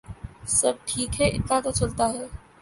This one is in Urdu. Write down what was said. سب ٹھیک ہے ، اتنا تو چلتا ہے ۔